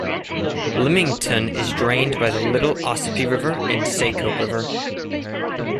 Limington is drained by the Little Ossipee River and Saco River.